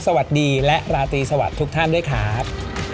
สวัสดีและราตรีสวัสดีทุกท่านด้วยครับ